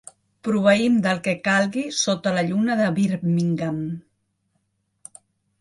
Proveïm del que calgui sota la lluna de Birmingham.